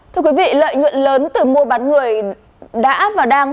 thưa quý vị lợi nhuận lớn từ mua bán người đã và đang